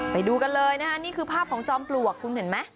ไปดูกันเลยนะคะนี่คือภาพของจอมปลวกคุณเห็นไหม